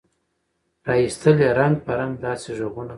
را ایستل یې رنګ په رنګ داسي ږغونه